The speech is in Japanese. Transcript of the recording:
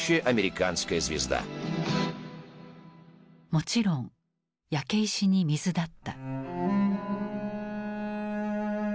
もちろん焼け石に水だった。